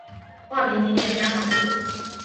画屏几点江南树。